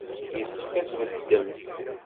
Yessefk ad tbeddemt.